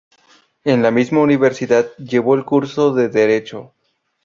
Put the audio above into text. En la misma Universidad llevó el curso de derecho.